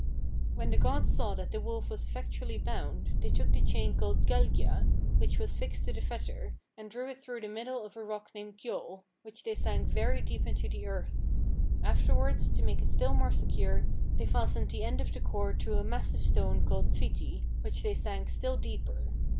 "When the gods saw that the wolf was effectually bound, they took the chain called Gelgja, which was fixed to the fetter, and drew it through the middle of a large rock named Gjoll, which they sank very deep into the earth; afterwards, to make it still more secure, they fastened the end of the cord to a massive stone called Thviti, which they sank still deeper.